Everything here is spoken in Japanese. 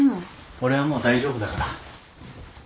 俺はもう大丈夫だから。